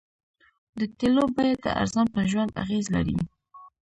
د تیلو بیه د ایران په ژوند اغیز لري.